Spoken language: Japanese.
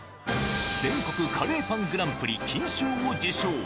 全国カレーパングランプリ金賞を受賞。